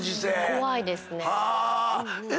怖いですね。